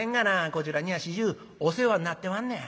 こちらには始終お世話になってまんねや。